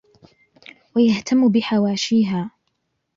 وَيَهْتَمُّ بِحَوَاشِيهَا